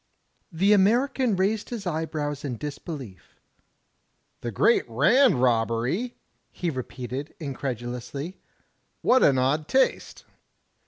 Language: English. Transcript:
'* The American raised his eyebrows in disbelief. " *The Great Rand Robbery?' "he repeated, incredulously. "What an odd taste!"